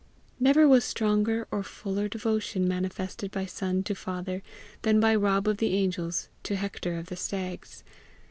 Never was stronger or fuller devotion manifested by son to father than by Rob of the Angels to Hector of the Stags.